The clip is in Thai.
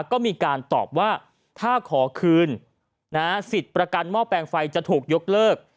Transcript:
ก็มีการตอบว่าถ้าขอคืนสิทธิ์ประกันหม้อแปลงไฟจะถูกยกเลิก